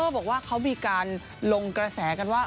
บอกว่าเขามีการลงกระแสกันว่า